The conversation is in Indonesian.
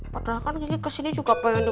padahal kan gigi ke sini juga pengen ikutan main